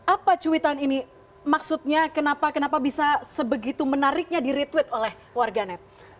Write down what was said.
apa cuitan ini maksudnya kenapa bisa sebegitu menariknya di retweet oleh warga net